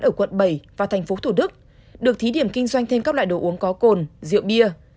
ở quận bảy và tp thd được thí điểm kinh doanh thêm các loại đồ uống có cồn rượu bia